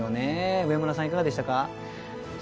上村さん、いかがでした？